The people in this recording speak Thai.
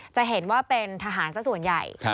จะเห็นว่าเป็นทหารสักส่วนใหญ่